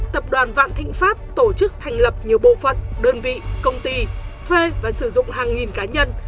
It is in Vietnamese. tập đoàn vạn thịnh pháp tổ chức thành lập nhiều bộ phận đơn vị công ty thuê và sử dụng hàng nghìn cá nhân